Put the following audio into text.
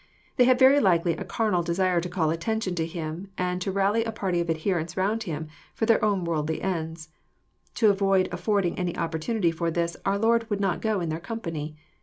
They had very likely a carnal desire to call attention to Him and to rally a party of adherents round Him, for their owt« worldly ends. To avoid affording any opportunity for this, our Lord would not go in their company.